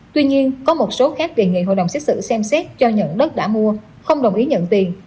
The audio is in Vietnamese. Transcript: tuy nhiên có một số khác đề nghị hội đồng xét xử xem xét cho nhận đất đã mua không đồng ý nhận tiền